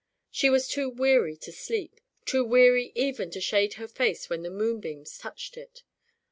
She was too weary to sleep, too weary even to shade her face when the moonbeams touched it.